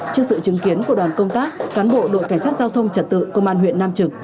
trước sự chứng kiến của đoàn công tác cán bộ đội cảnh sát giao thông trật tự công an huyện nam trực